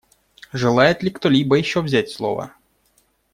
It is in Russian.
Желает ли кто-либо еще взять слово?